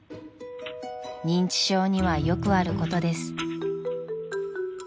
［認知症にはよくあることです］